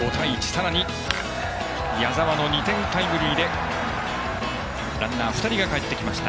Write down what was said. さらに、矢澤の２点タイムリーでランナー２人がかえってきました。